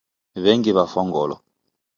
W'engi w'afwa ngolo.